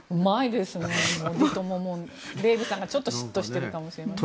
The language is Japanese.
デーブさんが嫉妬しているかもしれません。